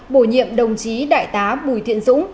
bổ nhiệm đồng chí đại tá bùi thiện dũng